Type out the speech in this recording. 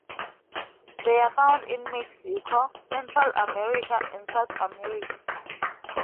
They are found in Mexico, Central America, and South America.